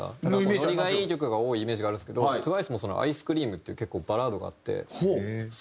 ノリがいい曲が多いイメージがあるんですけどＴＷＩＣＥも『ＩｃｅＣｒｅａｍ』っていうバラードがあって。